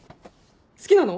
好きなの？